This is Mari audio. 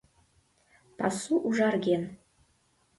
Пасу ужарген.